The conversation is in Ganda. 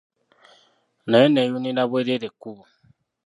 Naye nneeyunira bwereere ekkubo.